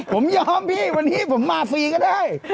ผมยอมพี่วันนี้ผมมาฟรีก็ได้